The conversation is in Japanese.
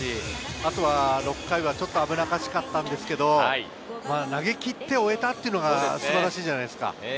あとは６回、ちょっと危なっかしかったんですけれど、投げ切って終えたというのが素晴らしいじゃないですか。